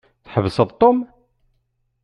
Tḥebseḍ Tom?